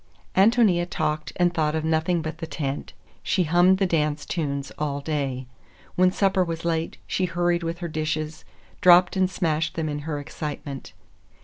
Ántonia talked and thought of nothing but the tent. She hummed the dance tunes all day. When supper was late, she hurried with her dishes, dropped and smashed them in her excitement.